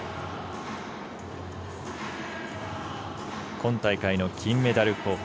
今大会の金メダル候補